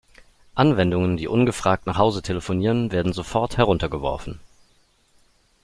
Anwendungen, die ungefragt nach Hause telefonieren, werden sofort heruntergeworfen.